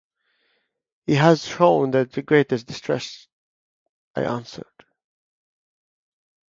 'He has shown the greatest distress,’ I answered.